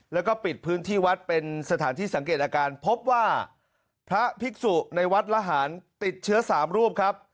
แล้วก็ปิดพื้นที่วัดเป็นสถานที่สังเกตอาการพบว่าพระภิกษุในวัดละหารติดเชื้อสามรูปครับ